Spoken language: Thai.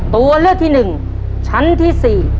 ตัวเลือกที่๑ชั้นที่๔